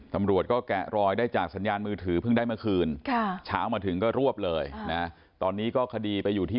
ถ้าถามช่างกินแฟผมกำลังกินอยู่